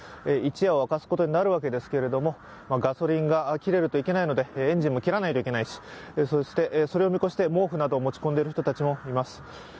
一夜を明かすことになるわけですけれども、ガソリンが切れるといけないので、エンジンも切らないといけないし、それを見越して毛布などを持ち込んでいる人たちもいます。